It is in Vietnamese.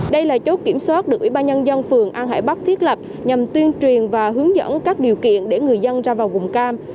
đây là chốt kiểm soát được ủy ban nhân dân phường an hải bắc thiết lập nhằm tuyên truyền và hướng dẫn các điều kiện để người dân ra vào vùng cam